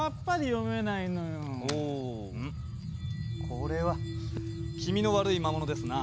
これは気味の悪い魔物ですな。